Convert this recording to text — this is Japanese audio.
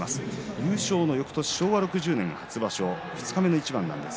優勝のよくとし昭和６０年の初場所二日目の土俵です。